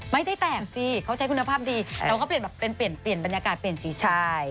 ไม่ได้แต่งสิเขาใช้คุณภาพดีแต่ว่าเขาเปลี่ยนแบบเป็นเปลี่ยนเปลี่ยนบรรยากาศเปลี่ยนสีชาย